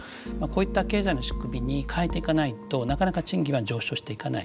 こういった経済の仕組みに変えていかないとなかなか賃金は上昇していかない。